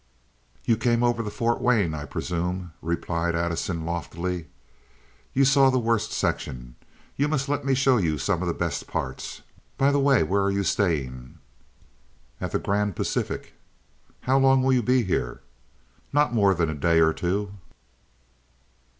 "You came over the Fort Wayne, I presume," replied Addison, loftily. "You saw the worst section. You must let me show you some of the best parts. By the way, where are you staying?" "At the Grand Pacific." "How long will you be here?" "Not more than a day or two."